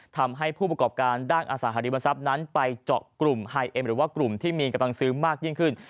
ทำให้ผู้ประกอบการด้านอสังหาริมทรัพย์นั้นไปเจาะกลุ่มไฮเอ็มหรือว่ากลุ่มที่มีกำลังซื้อมากยิ่งขึ้น